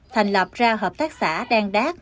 thành lập ra hợp tác xã đan đác